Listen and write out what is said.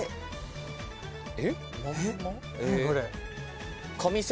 えっ？